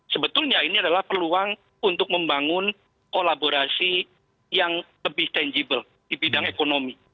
sebetulnya ini adalah peluang untuk membangun kolaborasi yang lebih tangible di bidang ekonomi